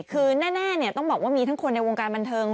คือแน่ต้องบอกว่ามีทั้งคนในวงการบันเทิง